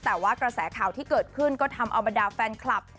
แต่ว่ากระแสข่าวที่เกิดขึ้นก็ทำเอาบรรดาแฟนคลับ